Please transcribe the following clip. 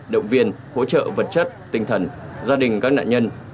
động viên hỗ trợ vật chất tinh thần gia đình các nạn nhân